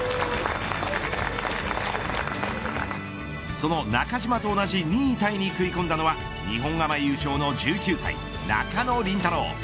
その中島と同じ２位タイに食い込んだのは日本アマ優勝の１９歳中野麟太朗。